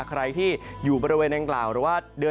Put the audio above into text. ใครที่อยู่บริเวณแนงกล่าว